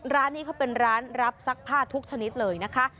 ร้านนี้เขาเป็นร้านรับซักผ้าทุกชนิดเลยนะคะ